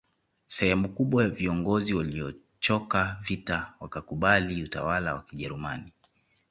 Sehemu kubwa ya viongozi waliochoka vita wakakubali utawala wa kijerumani